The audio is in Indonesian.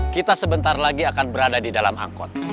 kita sebentar lagi akan berada di dalam angkot